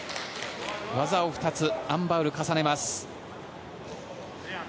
技を２つアン・バウル、重ねます。